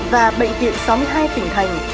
và bệnh viện sáu mươi hai tỉnh thành